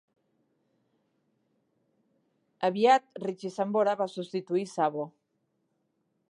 Aviat Richie Sambora va substituir Sabo.